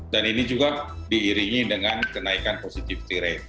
dan ini juga diiringi dengan kenaikan positivity rate